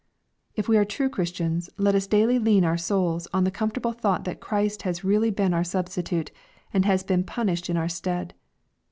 If we are true Christians, let us daily lean our souls on the comfortable thought that Christ has really been our Substitute, and has been punished in our stead.